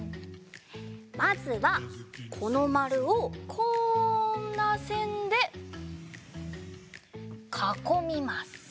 まずはこのまるをこんなせんでかこみます。